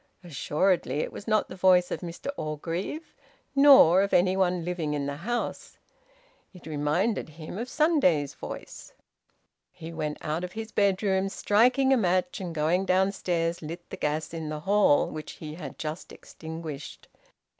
Assuredly it was not the voice of Mr Orgreave, nor of any one living in the house. It reminded him of the Sunday's voice. He went out of his bedroom, striking a match, and going downstairs lit the gas in the hall, which he had just extinguished.